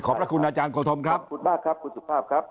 พระคุณอาจารย์โคธมครับคุณมากครับคุณสุภาพครับ